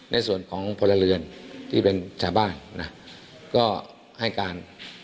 ในส่วนของพลเรือนที่เป็นชาวบ้านนะก็ให้การ